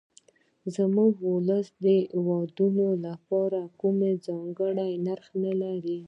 زموږ ولس د ودونو لپاره کوم ځانګړی نرخ نه لري.